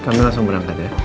kamu langsung berangkat ya